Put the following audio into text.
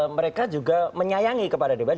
mereka juga menyayangi kepada dewan